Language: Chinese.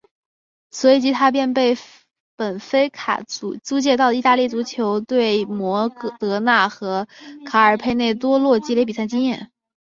随即他便被本菲卡租借到意大利球队摩德纳和卡尔佩内多洛积累比赛经验。